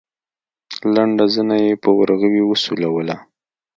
لنډه زنه يې په ورغوي وسولوله.